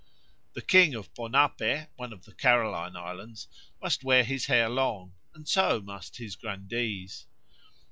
The king of Ponape, one of the Caroline Islands, must wear his hair long, and so must his grandees.